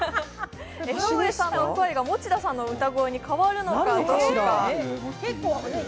江上さんの声が持田さんの歌声に変わるのか。